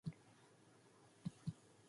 As a Jew, the Nazis forced him to flee Paris.